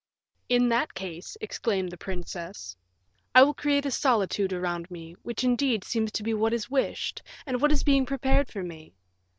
"In that case," exclaimed the princess, "I will create a solitude around me, which indeed seems to be what is wished, and what is being prepared for me.